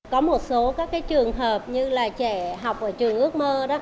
có một số các trường hợp như là trẻ học ở trường ước mơ đó